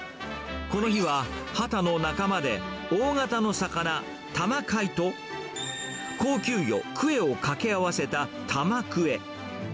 この日は、ハタの仲間で大型の魚、タマカイと、高級魚、クエをかけ合わせたタマクエ。